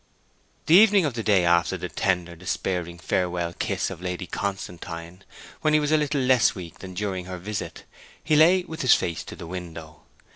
The evening of the day after the tender, despairing, farewell kiss of Lady Constantine, when he was a little less weak than during her visit, he lay with his face to the window.